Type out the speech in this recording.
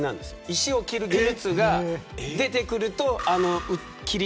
石を切る技術が出てくると。